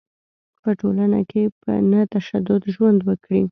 په ټولنه کې په نه تشدد ژوند وکړي.